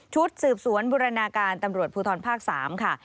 ชุดสืบสวนบูรณาการตำรวจภูทรภาค๓ค่ะ